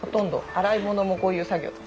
洗い物もこういう作業だし。